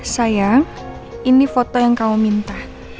sayang ini foto yang kamu minta